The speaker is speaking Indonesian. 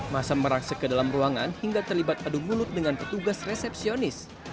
masa merangsek ke dalam ruangan hingga terlibat adu mulut dengan petugas resepsionis